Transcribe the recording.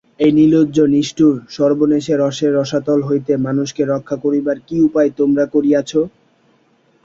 এই নির্লজ্জ নিষ্ঠুর সর্বনেশে রসের রসাতল হইতে মানুষকে রক্ষা করিবার কী উপায় তোমরা করিয়াছ?